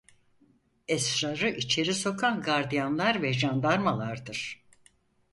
Esrarı içeri sokan gardiyanlar ve jandarmalardır.